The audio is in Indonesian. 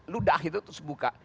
ludah itu terus buka